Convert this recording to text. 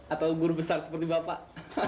atau guru besar seperti bapak